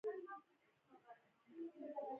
وزې له غټو حیواناتو ویره لري